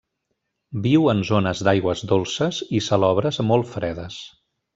Viu en zones d'aigües dolces i salobres molt fredes.